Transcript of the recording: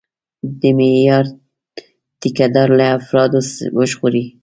د معیار ټیکهداري له افرادو وژغوري.